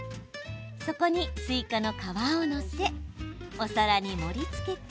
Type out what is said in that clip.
そこにスイカの皮を載せお皿に盛りつけて